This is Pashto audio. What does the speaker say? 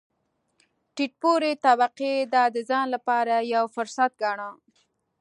ټیټ پوړې طبقې دا د ځان لپاره یو فرصت ګاڼه.